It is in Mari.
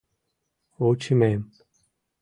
Вучымем